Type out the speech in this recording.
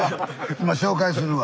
今紹介するわ。